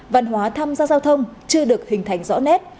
văn hóa tham gia giao thông chưa được hình thành rõ nét